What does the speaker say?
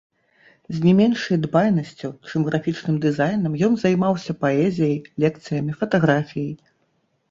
З не меншай дбайнасцю, чым графічным дызайнам, ён займаўся паэзіяй, лекцыямі, фатаграфіяй.